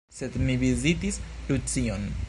Sed mi vizitis Lucion.